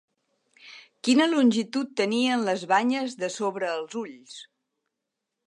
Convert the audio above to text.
Quina longitud tenien les banyes de sobre els ulls?